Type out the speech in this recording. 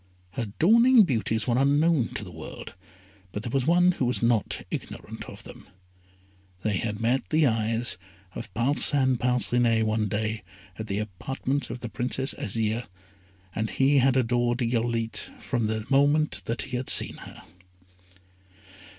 Her dawning beauties were unknown to the world, but there was one who was not ignorant of them. They had met the eyes of Parcin Parcinet one day at the apartments of the Princess Azire, and he had adored Irolite from the moment that he had seen her.